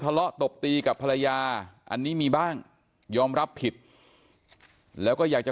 ตบตีกับภรรยาอันนี้มีบ้างยอมรับผิดแล้วก็อยากจะ